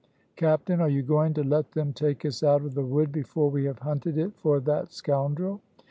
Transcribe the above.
"Captain! are you going to let them take us out of the wood before we have hunted it for that scoundrel?"